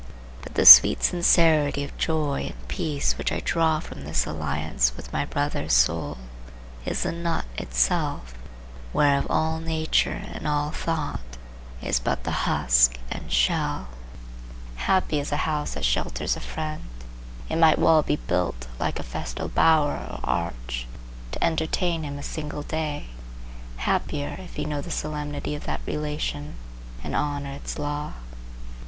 But the sweet sincerity of joy and peace which I draw from this alliance with my brother's soul is the nut itself whereof all nature and all thought is but the husk and shell. Happy is the house that shelters a friend! It might well be built, like a festal bower or arch, to entertain him a single day. Happier, if he know the solemnity of that relation and honor its law!